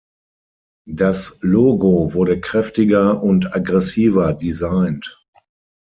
Das Logo wurde kräftiger und aggressiver designt.